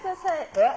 「えっ？